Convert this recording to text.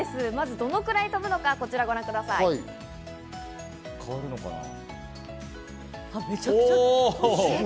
どのくらい飛ぶのか、こちらをご覧ください。